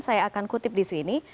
saya akan kutip di sini